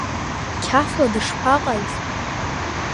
Қьафла дышԥаҟаз!